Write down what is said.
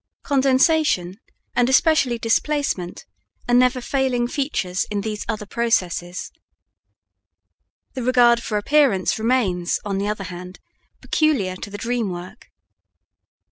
Condensation, and especially displacement, are never failing features in these other processes. The regard for appearance remains, on the other hand, peculiar to the dream work.